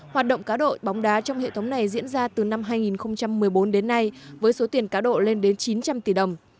hoạt động cá đội bóng đá trong hệ thống này diễn ra từ năm hai nghìn một mươi bốn đến nay với số tiền cá độ lên đến chín trăm linh tỷ đồng